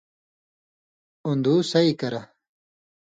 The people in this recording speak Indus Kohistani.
اُوندُو سَئی کرہ